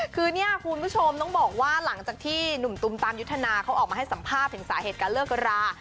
คือเนี่ยคุณผู้ชมต้องบอกว่าหลังจากที่หนุ่มตุมตามยุทธนาเขาออกมาให้สัมภาษณ์ถึงสาเหตุการเลิกรา